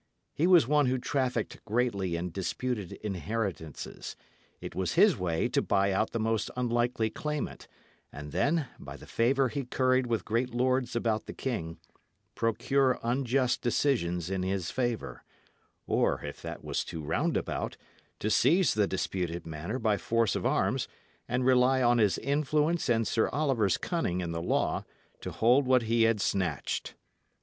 He was one who trafficked greatly in disputed inheritances; it was his way to buy out the most unlikely claimant, and then, by the favour he curried with great lords about the king, procure unjust decisions in his favour; or, if that was too roundabout, to seize the disputed manor by force of arms, and rely on his influence and Sir Oliver's cunning in the law to hold what he had snatched.